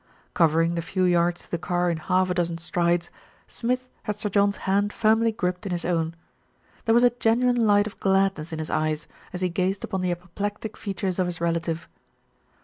Covering the few yards to the car in half a dozen strides, Smith had Sir John's hand firmly gripped in his own. There was a genuine light of gladness in his eyes, as he gazed upon the apoplectic features of his relative.